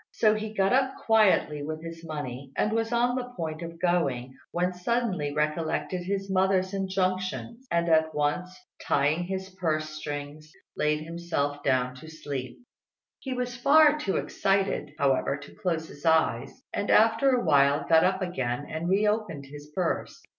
So he got up quietly with his money, and was on the point of going, when he suddenly recollected his mother's injunctions, and at once tying his purse strings laid himself down to sleep. He was far too excited, however, to close his eyes; and after a while got up again and re opened his purse.